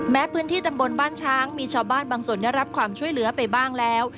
พื้นที่ตำบลบ้านช้างมีชาวบ้านบางส่วนได้รับความช่วยเหลือไปบ้างแล้ว